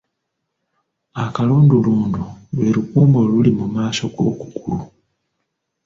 Akalundulundu lwe lugumba oluli mu maaso g’okugulu .